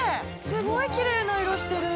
すごいきれいな色してる。